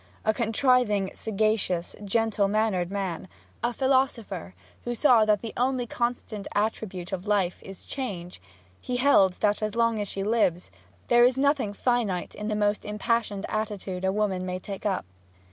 A contriving, sagacious, gentle mannered man, a philosopher who saw that the only constant attribute of life is change, he held that, as long as she lives, there is nothing finite in the most impassioned attitude a woman may take up.